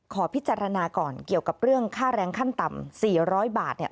ขอพิจารณาก่อนเกี่ยวกับเรื่องค่าแรงขั้นต่ำ๔๐๐บาท